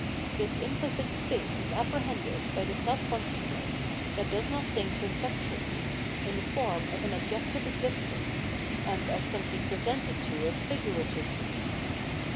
This implicit state is apprehended by the self conscious ness that does not think conceptually, in the form of an objective existence, and as something presented to it figuratively.